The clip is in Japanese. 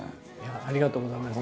ありがとうございます。